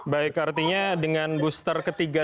baik artinya dengan booster ketiga